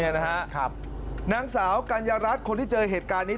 นางสาวกัญญารัฐคนที่เจอเหตุการณ์นี้